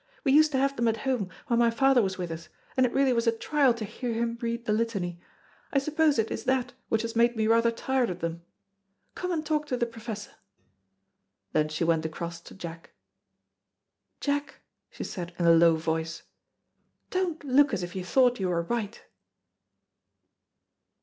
We used to have them at home, when my father was with us, and it really was a trial to hear him read the Litany. I suppose it is that which has made me rather tired of them. Come and talk to the Professor." Then she went across to Jack. "Jack," she said, in a low voice, "don't look as if you thought you were right."